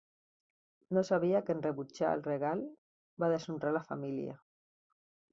No sabia que en rebutjar el regal, va deshonrar la família.